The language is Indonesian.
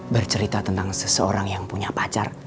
bercerita tentang seseorang yang punya pacar